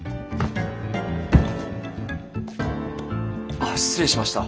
あ失礼しました。